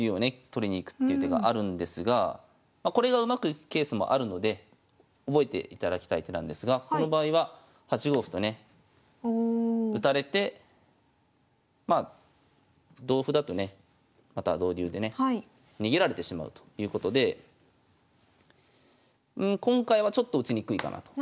取りに行くっていう手があるんですがこれがうまくいくケースもあるので覚えていただきたい手なんですがこの場合は８五歩とね打たれてまあ同歩だとねまた同竜でね逃げられてしまうということで今回はちょっと打ちにくいかなと。